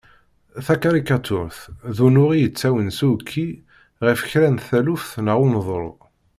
Takarikaturt d unuɣ i d-yettawin s uɛekki ɣef kra n taluft neɣ uneḍru.